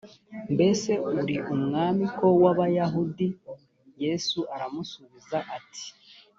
mbese uri umwamik w abayahudi yesu aramusubiza ati